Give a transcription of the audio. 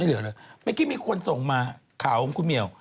เหลือเลยเมื่อกี้มีคนส่งมาข่าวของคุณเหมียว